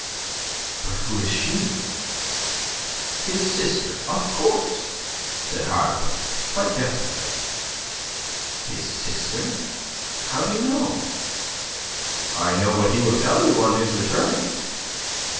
"But who is she?" "His sister, of course," said Harlequin, quite definitely. "His sister? How do you know?" "I know what he will tell you on his return."